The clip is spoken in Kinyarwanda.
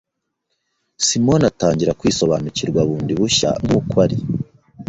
Simoni atangira kwisobanukirwa bundi bushya nk'uko ari.